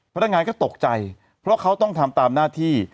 พนักงานก็ตกใจเพราะเขาต้องทำตามหน้าที่